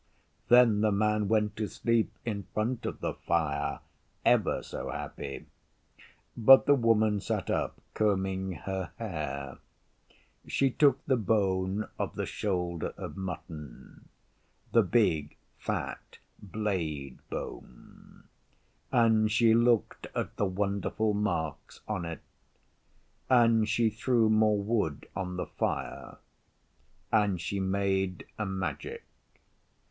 Then the Man went to sleep in front of the fire ever so happy; but the Woman sat up, combing her hair. She took the bone of the shoulder of mutton the big fat blade bone and she looked at the wonderful marks on it, and she threw more wood on the fire, and she made a Magic.